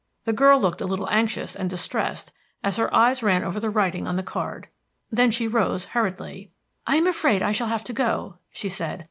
The girl looked a little anxious and distressed as her eyes ran over the writing on the card. Then she rose hurriedly. "I am afraid I shall have to go," she said.